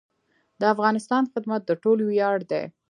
د افغانستان خدمت د ټولو ویاړ دی